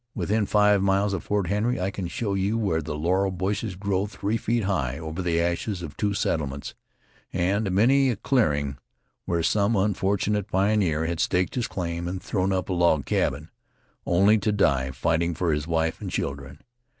Within five miles of Fort Henry I can show you where the laurel bushes grow three feet high over the ashes of two settlements, and many a clearing where some unfortunate pioneer had staked his claim and thrown up a log cabin, only to die fighting for his wife and children.